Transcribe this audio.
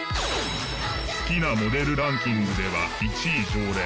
好きなモデルランキングでは１位常連。